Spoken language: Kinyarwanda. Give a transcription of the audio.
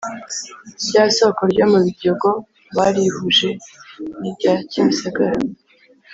Ryasoko ryo mubiryogo barihuje nirya kimisagara